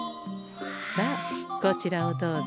さあこちらをどうぞ。